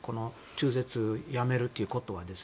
中絶をやめるということに。